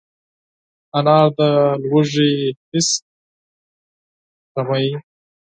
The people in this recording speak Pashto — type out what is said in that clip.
انار د لوږې حس کموي.